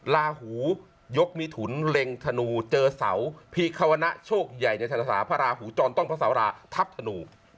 ลาหูยกมิถุนเล็งธนูเจอเสาพีควณะโชคใหญ่ในธรรมศาพระราหูจรต้องพระสาราทัพธนู